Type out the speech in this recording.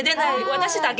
私だけ。